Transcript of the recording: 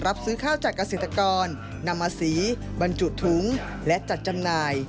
รับซื้อข้าวจากเกษตรกรนำมาสีบรรจุถุงและจัดจำหน่าย